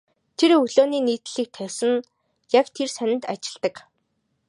Тэр өглөөний нийтлэлийг тавьсан яг тэр сонинд ажилладаг.